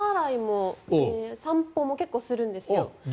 皿洗いも散歩も結構するんですよ。